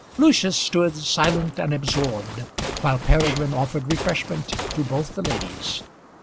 Lucius stood silent and absorbed while Peregrine offered refreshment to both the ladies.